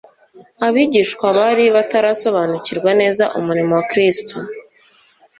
Abigishwa bari batarasobariukirwa neza umurimo wa Kristo.